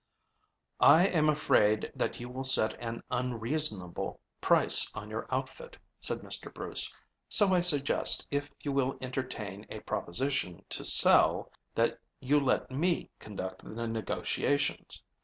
"I am afraid that you will set an unreasonable price on your outfit," said Mr. Bruce, "so I suggest if you will entertain a proposition to sell, that you let me conduct the negotiations.